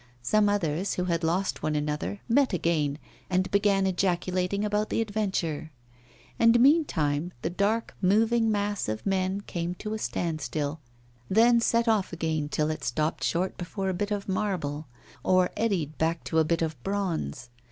Some others, who had lost one another, met again, and began ejaculating about the adventure. And, meantime, the dark moving mass of men came to a standstill, then set off again till it stopped short before a bit of marble, or eddied back to a bit of bronze.